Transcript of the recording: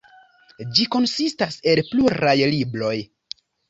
Ĝi konsistas el pluraj libroj.